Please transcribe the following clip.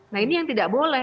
nah ini yang tidak boleh